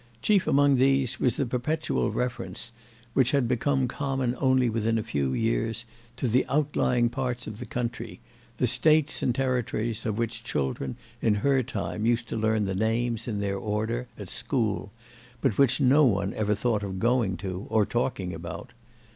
Chief among these was the perpetual reference, which had become common only within a few years, to the outlying parts of the country, the States and Territories of which children, in her time, used to learn the names, in their order, at school, but which no one ever thought of going to or talking about.